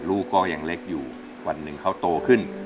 ลูกก็ยังเล็กอยู่วันหนึ่งเขาโตขึ้น